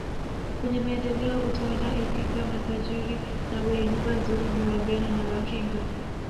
Kwenye Maendeleo utaona Iringa matajiri na wenye nyumba nzuri ni wabena na wakinga